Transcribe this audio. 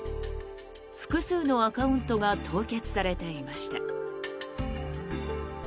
複数のアカウントが凍結されていました。